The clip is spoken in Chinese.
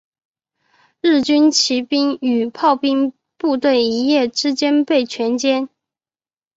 日军骑兵与炮兵部队一夜之间被全歼。